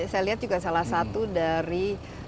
saya lihat juga salah satu dari